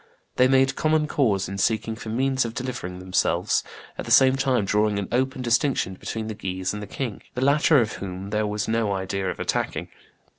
They made common cause in seeking for means of delivering themselves, at the same time drawing an open distinction between the Guises and the king, the latter of whom there was no idea of attacking.